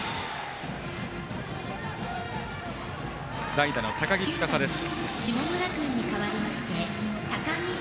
代打の高木司です。